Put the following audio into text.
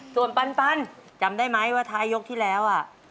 ส่วนปันจำได้ไหมว่าท้ายยกที่แล้ว